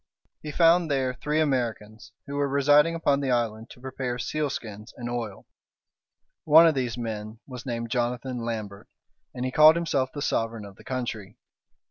He found there three Americans, who were residing upon the island to prepare sealskins and oil. One of these men was named Jonathan Lambert, and he called himself the sovereign of the country.